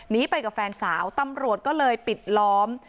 ไปกับแฟนสาวตำรวจก็เลยปิดล้อม